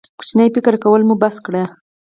کوچنی فکر کول مو بس کړئ.